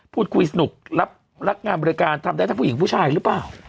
พูดคุยสนุกรับงานบริการทำได้ทั้งผู้หญิงผู้ชายหรือเปล่า